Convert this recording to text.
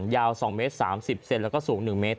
ยาว๒เมตร๓๐เซนแล้วก็สูง๑เมตร